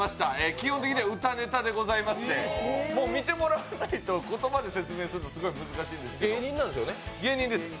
基本的には歌ネタでございまして見てもらわないと言葉で説明するのはすごい難しいんですけど、芸人です。